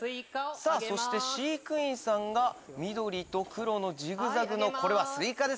そして飼育員さんが緑と黒のジグザグこれはスイカですね。